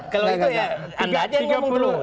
kalau itu ya anda aja yang ngomong dulu